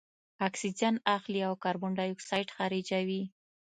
اکسیجن اخلي او کاربن دای اکساید خارجوي.